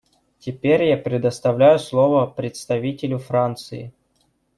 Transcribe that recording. Теперь я предоставляю слово представителю Франции.